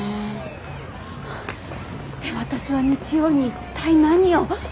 って私は日曜に一体何を。